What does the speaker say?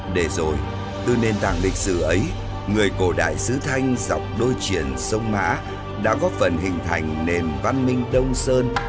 để rồi từ nền tảng lịch sử ấy người cổ đại sứ thanh dọc đôi triển sông mã đã góp phần hình thành nền văn minh đông sơn